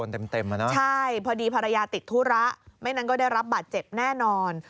เต็มอ่ะเนอะใช่พอดีภรรยาติดธุระไม่นั้นก็ได้รับบาดเจ็บแน่นอน